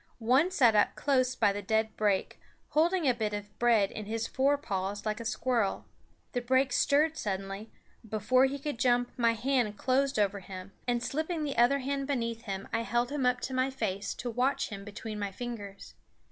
One sat up close by the dead brake, holding a bit of bread in his forepaws like a squirrel. The brake stirred suddenly; before he could jump my hand closed over him, and slipping the other hand beneath him I held him up to my face to watch him between my fingers.